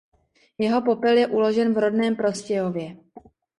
Jeho popel je uložen v rodném Prostějově.